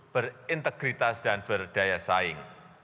berintegritas dan berdaya saing